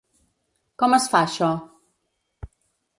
Com es fa això?